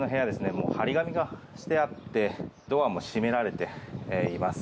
もう貼り紙がしてあってドアも閉められています。